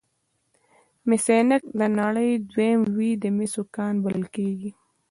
مس عینک د نړۍ دویم لوی د مسو کان بلل کیږي.